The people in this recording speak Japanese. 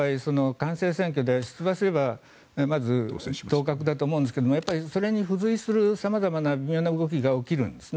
官製選挙で出馬すればまず当確だと思うんですがそれに付随する様々な動きが起こるんです。